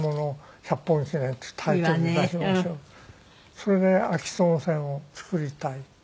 それで『秋津温泉』を作りたい。